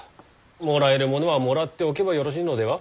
もらえるものはもらっておけばよろしいのでは？